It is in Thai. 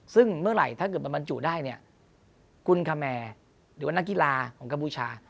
ซึ่งเมื่อไหร่ถ้าเกิดมันบรรจุได้เนี่ยกุลคแมร์หรือว่านักกีฬาของกัมพูชา